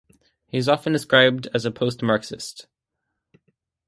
He is often described as post-Marxist.